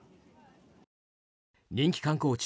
人気観光地